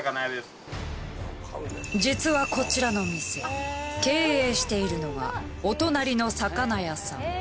実はこちらの店経営しているのはお隣の魚屋さん。